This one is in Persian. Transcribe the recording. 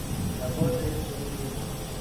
جواز صید ماهی